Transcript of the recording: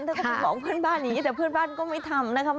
ก็ต้องบอกเพื่อนบ้านอย่างนี้แต่เพื่อนบ้านก็ไม่ทำนะคะ